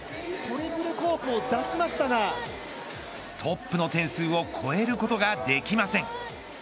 トリプルコークを出しましたがトップの点数を超えることができません。